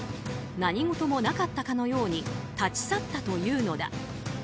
何事もなかったかのように立ち去ったというのだ。